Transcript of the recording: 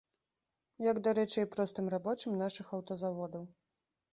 Як, дарэчы, і простым рабочым нашых аўтазаводаў.